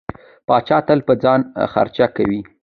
پاچا تل په ځان خرچه کوي.